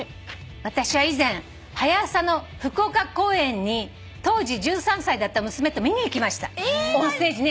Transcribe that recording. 「私は以前『はや朝』の福岡公演に当時１３歳だった娘と見に行きました」『オンステージ』ね。